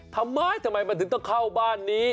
ทำไมทำไมมันถึงต้องเข้าบ้านนี้